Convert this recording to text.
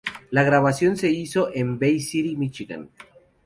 La grabación se hizo en Bay City, Míchigan.